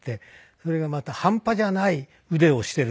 それがまた半端じゃない腕をしているんですよ。